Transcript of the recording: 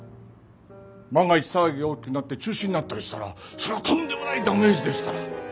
万が一騒ぎが大きくなって中止になったりしたらそりゃとんでもないダメージですから。